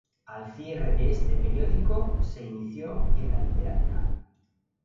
Al cierre de este periódico, se inició en la literatura.